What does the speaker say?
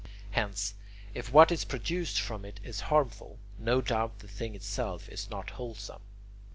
Hence, if what is produced from it is harmful, no doubt the thing itself is not wholesome.